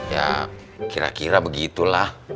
ya kira kira begitulah